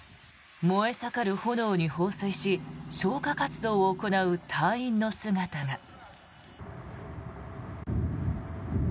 燃え盛る炎に放水し消火活動を行う隊員の姿が。